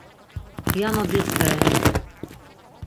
Yano diqveren.